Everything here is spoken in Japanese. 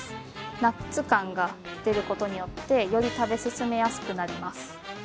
ナッツ感が出ることによってより食べ進めやすくなります